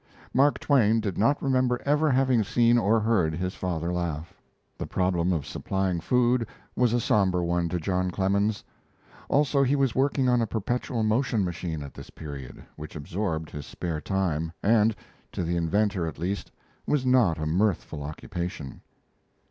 Mark Twain did not remember ever having seen or heard his father laugh. The problem of supplying food was a somber one to John Clemens; also, he was working on a perpetual motion machine at this period, which absorbed his spare time, and, to the inventor at least, was not a mirthful occupation.